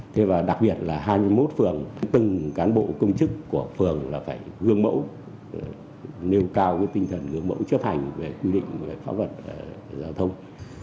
thế và đặc biệt là hai mươi một phường từng cán bộ công chức của phường là phải gương mẫu nêu cao tinh thần gương mẫu chấp hành về quy định khóa vật giao thông